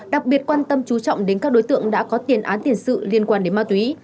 đặc biệt quan tâm chú trọng đến các đối tượng đã có tiền án tiền sự liên quan đến ma túy